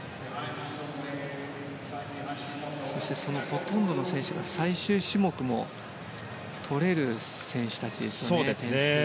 そしてそのほとんどの選手が最終種目も取れる選手たちですね。